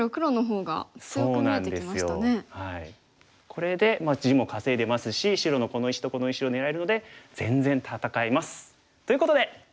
これで地も稼いでますし白のこの石とこの石を狙えるので全然戦えます！ということで。